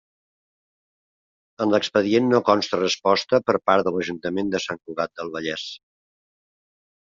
En l'expedient no consta resposta per part de l'Ajuntament de Sant Cugat del Vallès.